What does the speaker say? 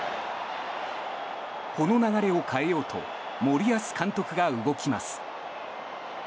この流れを変えようと森保監督が動きます。